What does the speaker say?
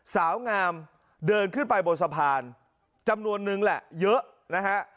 สาวงามเดินขึ้นไปบนสะพานจำนวนนึงแหละเยอะนะฮะ